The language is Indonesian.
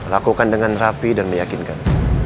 lakukan dengan rapi dan meyakinkan